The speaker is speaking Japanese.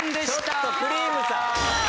ちょっとくりぃむさん！